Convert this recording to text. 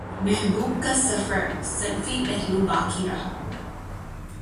محبوب کا صرف صنفی پہلو باقی رہا